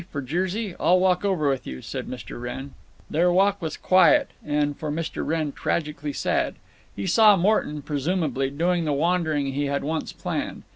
For Jersey? I'll walk over with you," said Mr. Wrenn. Their walk was quiet and, for Mr. Wrenn, tragically sad. He saw Morton (presumably) doing the wandering he had once planned.